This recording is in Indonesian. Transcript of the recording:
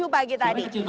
tujuh pagi tadi